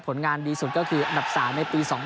ผลงานดีสุดก็คืออันดับสาม๑๙๒๕